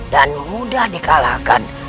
dan mudah dikalahkan